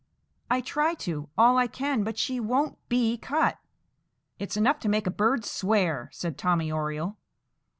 "I try to, all I can; but she won't be cut." "It's enough to make a bird swear," said Tommy Oriole.